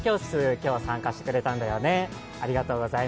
今日、参加してくれたんだよね。